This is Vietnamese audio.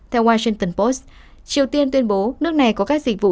theo washington post triều tiên tuyên bố nước này có các dịch vụ